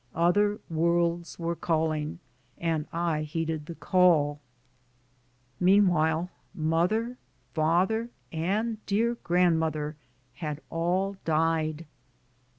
Other worlds were calling, and I heeded the call. Meanwhile, mother, father and dear grandmother AMERICA 57 had all died.